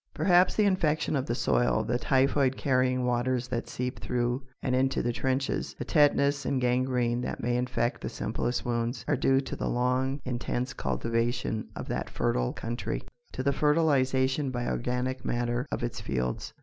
Perhaps the infection of the soil, the typhoid carrying waters that seep through and into the trenches, the tetanus and gangrene that may infect the simplest wounds, are due to the long intensive cultivation of that fertile country, to the fertilisation by organic matter of its fields.